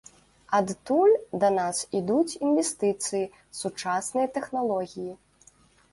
Адтуль да нас ідуць інвестыцыі, сучасныя тэхналогіі.